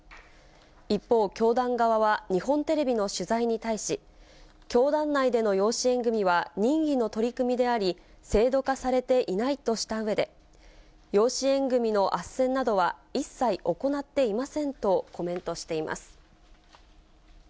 一方、教団側は日本テレビの取材に対し、教団内での養子縁組は任意の取り組みであり、制度化されていないとしたうえで、養子縁組のあっせんなどは一切行っていませんとコメントしています。